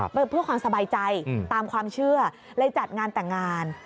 เพื่อความสบายใจตามความเชื่อเลยจัดงานแต่งงาน